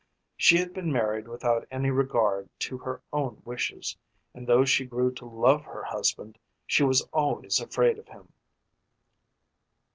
She had been married without any regard to her own wishes, and though she grew to love her husband she was always afraid of him.